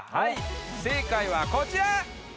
正解はこちら！